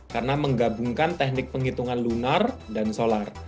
karena menggabungkan teknik penghitungan lunar dan solar